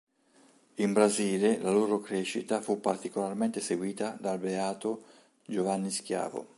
In Brasile la loro crescita fu particolarmente seguita dal beato Giovanni Schiavo.